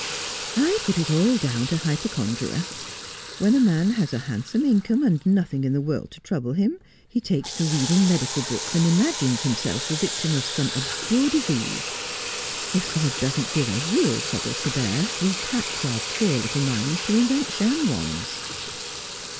I put it all down to hypochondria. When a man has a handsome income and nothing in the world to trouble him, he takes to reading medical books, and imagines himself the victim of some obscure disease. If God doesn't give us real troubles to bear, we tax our poor little minds to invent sham ones.'